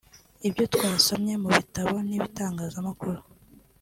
ibyo twasomye mu bitabo n’ibitangazamakuru